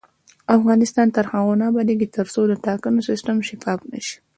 افغانستان تر هغو نه ابادیږي، ترڅو د ټاکنو سیستم شفاف نشي.